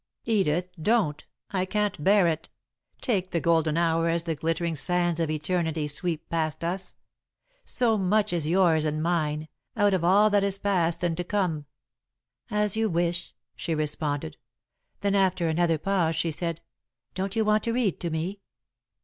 "Edith! Don't! I can't bear it! Take the golden hour as the glittering sands of eternity sweep past us. So much is yours and mine, out of all that is past and to come." "As you wish," she responded. Then, after another pause, she said: "Don't you want to read to me?"